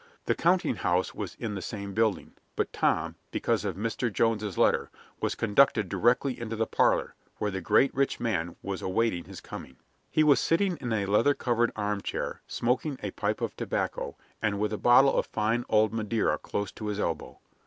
The counting house was in the same building; but Tom, because of Mr. Jones's letter, was conducted directly into the parlor, where the great rich man was awaiting his coming. He was sitting in a leather covered armchair, smoking a pipe of tobacco, and with a bottle of fine old Madeira close to his elbow.